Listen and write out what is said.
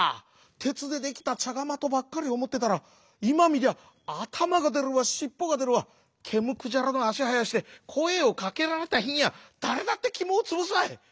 てつでできたちゃがまとばっかりおもってたらいまみりゃあたまがでるわしっぽがでるわけむくじゃらのあしはやしてこえをかけられたひにゃだれだってきもをつぶすわい。